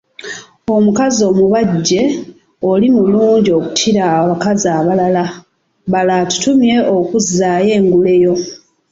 Omukazi omubajje ,oli mulungi okukira abakazi abalala, balo atutumye okuzzaayo engule yo.